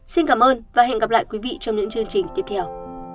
xin cảm ơn và hẹn gặp lại quý vị trong những chương trình tiếp theo